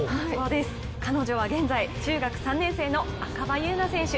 彼女は現在中学３年生の赤羽優苗選手。